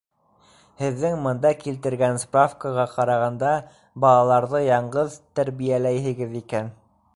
Һеҙҙең бында килтергән справкаға ҡарағанда, балаларҙы яңғыҙ тәрбиәләйһегеҙ икән...